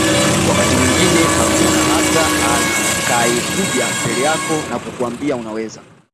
wakati mwingine hakuna hata anakayekuja mbele yako na kukuambia unaweza